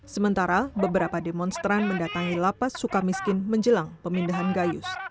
sementara beberapa demonstran mendatangi lapas sukamiskin menjelang pemindahan gayus